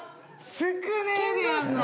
少ねえでやんの！